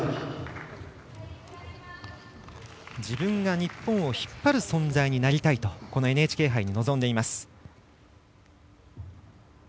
自分が日本を引っ張る存在になりたいとこのＮＨＫ杯に臨んでいます。